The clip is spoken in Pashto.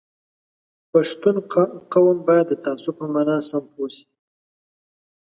پښتون قوم باید د تعصب په مانا سم پوه شي